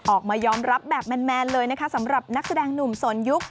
ออกมายอมรับแบบแมนเลยนะคะสำหรับนักแสดงหนุ่มสนยุค